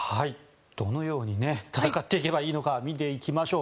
どのように戦っていけばいいのか見ていきましょう。